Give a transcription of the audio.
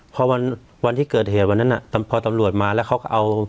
พอวันที่เกิดเหตุวันนั้นพอตำรวจมาแล้วเขาก็เอา